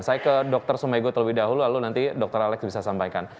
saya ke dr sumego terlebih dahulu lalu nanti dr alex bisa sampaikan